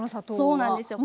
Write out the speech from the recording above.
そうなんですよ。